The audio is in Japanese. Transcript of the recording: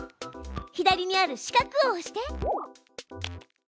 左にある四角を押して。